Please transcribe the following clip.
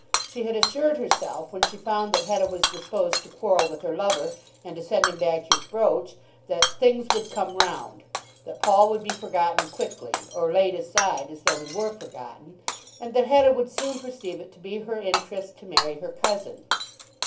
She had assured herself, when she found that Hetta was disposed to quarrel with her lover and to send him back his brooch, that "things would come round," that Paul would be forgotten quickly, or laid aside as though he were forgotten, and that Hetta would soon perceive it to be her interest to marry her cousin.